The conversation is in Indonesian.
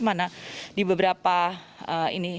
mana di beberapa ini